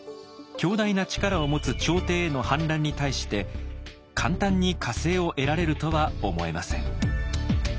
強大な力を持つ朝廷への反乱に対して簡単に加勢を得られるとは思えません。